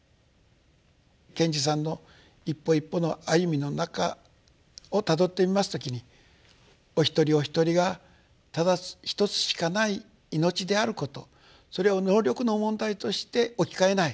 賢治さんの一歩一歩の歩みの中をたどってみます時にお一人お一人がただ一つしかない命であることそれを能力の問題として置き換えない。